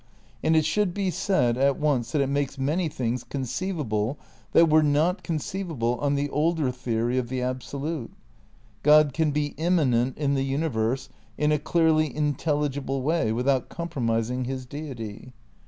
And it should be said at once that it makes many things conceivable that were not conceivable on the older theory of the Absolute. Grod can be immanent in the universe in a clearly in telligible way, without compromising his deity. * Space, Time and Deity, Vol. II, p.